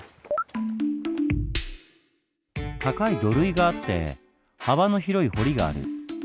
高い土塁があって幅の広い堀がある。